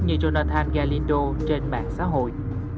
như jonathan galindo trên mạng xã hội